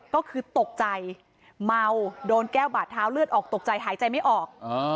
ก็คือตกใจเมาโดนแก้วบาดเท้าเลือดออกตกใจหายใจไม่ออก